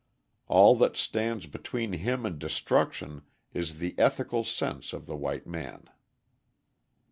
All that stands between him and destruction is the ethical sense of the white man.